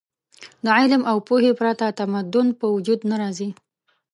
د علم او پوهې پرته تمدن په وجود نه راځي.